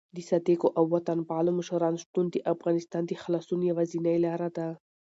د صادقو او وطن پالو مشرانو شتون د افغانستان د خلاصون یوازینۍ لاره ده.